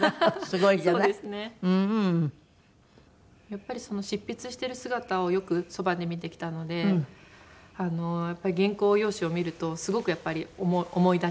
やっぱり執筆してる姿をよくそばで見てきたのでやっぱり原稿用紙を見るとすごくやっぱり思い出します。